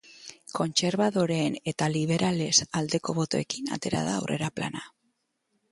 Kontserbadoreen eta liberales aldeko botoekin atera da aurrera plana.